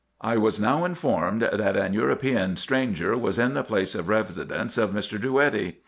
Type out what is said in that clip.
I was now informed that an European stranger was in the place of residence of Mr. Drouetti.